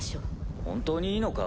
本当にいいのか？